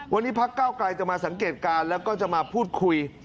วันนี้พักเก้าไกลจะมาสังเกตการณ์แล้วก็จะมาพูดคุย